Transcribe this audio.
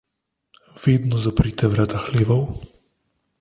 Vedno zaprite vrata hlevov.